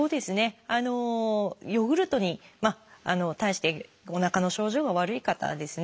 ヨーグルトに対しておなかの症状が悪い方はですね